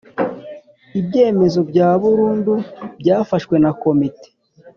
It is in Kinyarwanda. Ibyemezo bya burundu byafashwe na Komite